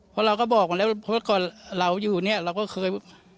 เพราะเราก็บอกมาแล้วเพราะก่อนเราอยู่เนี่ยเราก็เคย